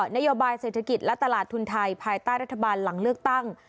นโยบายเศรษฐกิจและตลาดทุนไทยภายใต้รัฐบาลหลังเลือกตั้ง